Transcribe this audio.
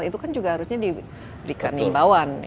itu kan juga harusnya diberikan imbauan